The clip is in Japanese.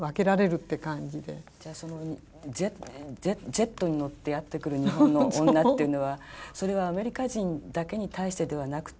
そのジェットに乗ってやって来る日本の女っていうのはそれはアメリカ人だけに対してではなくて。